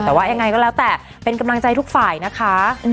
แต่ว่ายังไงก็แล้วแต่เป็นกำลังใจทุกฝ่ายนะคะ